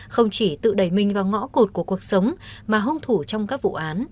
không chỉ tự đẩy mình vào ngõ cụt của cuộc sống mà hung thủ trong các vụ án